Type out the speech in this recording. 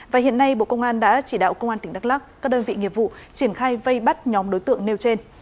và hiện nay bộ công an đã chỉ đạo công an tỉnh đắk lắc các đơn vị nghiệp vụ triển khai vây bắt nhóm đối tượng nêu trên